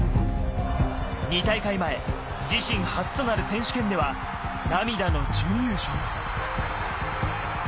２大会前、自身初となる選手権では、涙の準優勝。